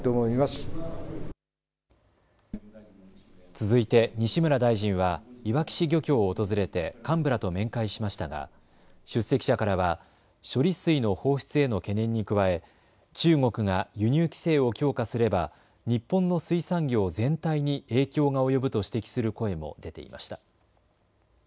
続いて西村大臣はいわき市漁協を訪れて幹部らと面会しましたが出席者からは処理水の放出への懸念に加え中国が輸入規制を強化すれば日本の水産業全体に影響が及ぶと指摘する声も出ていました。